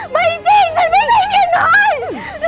ไม่จริงฉันไม่จริงไงหนุ่ง